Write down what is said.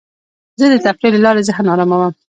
زه د تفریح له لارې ذهن اراموم.